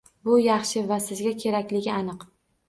Bu yaxshi va sizga kerakligi aniq.